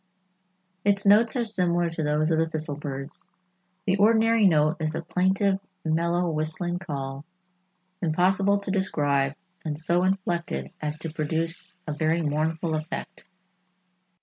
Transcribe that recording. Its notes are similar to those of the thistle birds. "The ordinary note is a plaintive mellow, whistling call, impossible to describe and so inflected as to produce a very mournful effect."